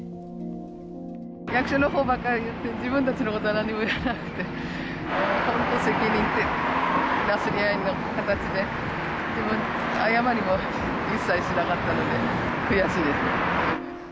役所のほうばかり言って、自分たちのことはなんにも言わなくて、本当、責任のなすり合いの形で、謝りも一切しなかったので、悔しいです。